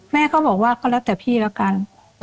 แม่ก็บอกว่าก็แล้วแต่พี่แล้วกัน